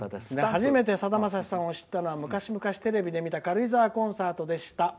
「初めてさだまさしさんを知ったのはテレビで見た軽井沢コンサートでした。